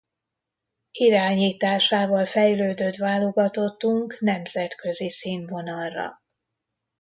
Irányításával fejlődött válogatottunk nemzetközi színvonalra.